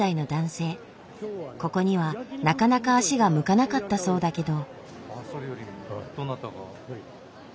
ここにはなかなか足が向かなかったそうだけど。